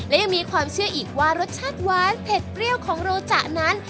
และยังมีความเชื่ออีกว่ารสชาติหวานเผ็ดเปรี้ยวของโรจนั้น